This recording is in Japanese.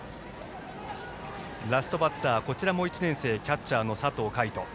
ラストバッター１年生キャッチャーの佐藤海斗。